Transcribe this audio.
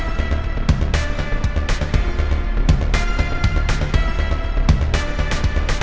nah ada apa ya